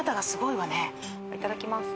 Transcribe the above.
いただきます。